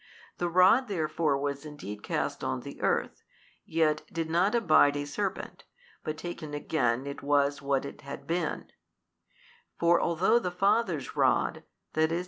The Rod therefore was indeed cast on the earth, yet did not abide a serpent, but taken again it was what it had been; for although the Father's Rod, i.e.